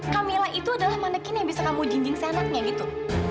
kamilah itu adalah manekin yang bisa kamu jinjing senaknya gitu